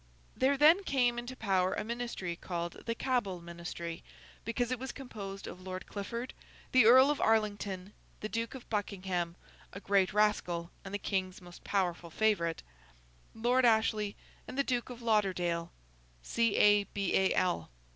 There then came into power a ministry called the Cabal Ministry, because it was composed of Lord Clifford, the Earl of Arlington, the Duke of Buckingham (a great rascal, and the King's most powerful favourite), Lord Ashley, and the Duke of Lauderdale, c. a. b. a. l.